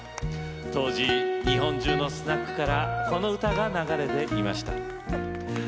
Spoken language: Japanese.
当時、日本中のスナックからこの歌が流れていました。